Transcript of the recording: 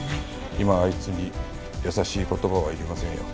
今あいつに優しい言葉はいりませんよ。